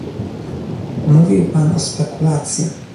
Mówił pan o spekulacji